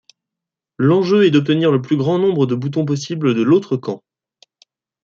L'enjeu est d'obtenir le plus grand nombre de boutons possible de l'autre camp.